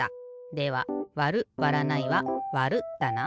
ではわるわらないはわるだな。